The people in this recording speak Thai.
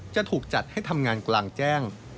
จะถูกจัดให้ทำงานกลางแจ้ง